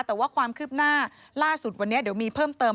แต่ว่าความคืบหน้าล่าสุดวันนี้เดี๋ยวมีเพิ่มเติม